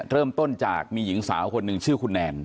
เริ่มต้นจากมีหญิงสาวคนหนึ่งชื่อคุณแนน